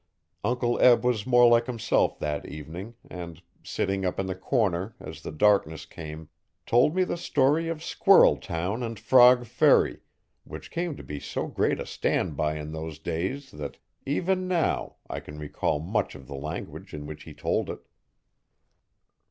Uncle Eb was more like himself that evening and, sitting up in the corner, as the darkness came, told me the story of Squirreltown and Frog Ferry, which came to be so great a standby in those days that, even now, I can recall much of the language in which he told it.